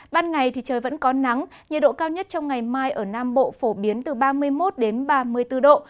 ban ngày thì trời vẫn có nắng nhiệt độ cao nhất trong ngày mai ở nam bộ phổ biến từ ba mươi một đến ba mươi bốn độ